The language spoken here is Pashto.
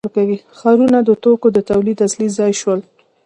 ښارونه د توکو د تولید اصلي ځای شول.